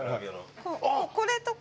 これとか。